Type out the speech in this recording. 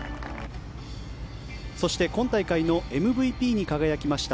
そして今大会のＭＶＰに輝きました